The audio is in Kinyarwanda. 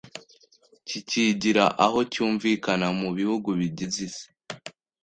kikigira aho cyumvikana mu bihugu bigize Isi.